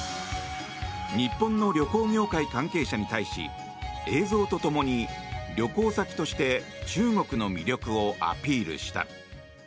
日本の旅行業界関係者に対し映像と共に旅行先として中国の魅力をアピールした。